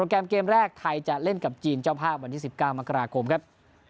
ใครจะเล่นกับจีนเจ้าภาพวันที่๑๙มกราคมครับ